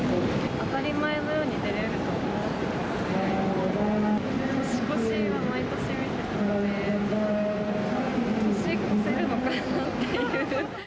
当たり前のように出れると思ってたので、年越しは毎年見ていたので、年越せるのかなっていう。